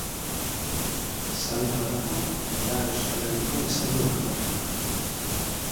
"Salda badago" da Euskal Herriko esaldi famatuena.